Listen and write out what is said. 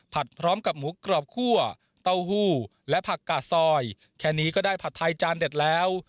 พร้อมกับหมูกรอบคั่วเต้าหู้และผักกาซอยแค่นี้ก็ได้ผัดไทยจานเด็ดแล้ว